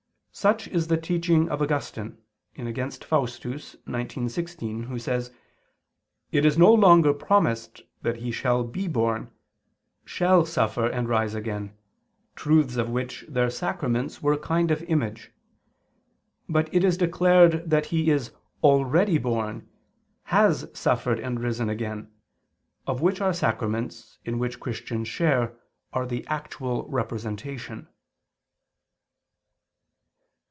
Such is the teaching of Augustine (Contra Faust. xix, 16), who says: "It is no longer promised that He shall be born, shall suffer and rise again, truths of which their sacraments were a kind of image: but it is declared that He is already born, has suffered and risen again; of which our sacraments, in which Christians share, are the actual representation."